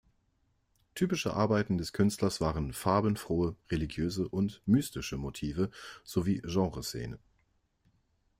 Typische Arbeiten des Künstlers waren farbenfrohe, religiöse und mystische Motive, sowie Genreszenen.